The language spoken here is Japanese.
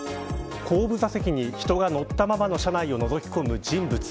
後部座席に人が乗ったままの車内をのぞきこむ人物。